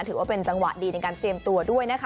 ถือว่าเป็นจังหวะดีในการเตรียมตัวด้วยนะคะ